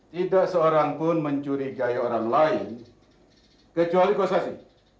tidak seorang pun mencurigai orang lain kecuali kosasi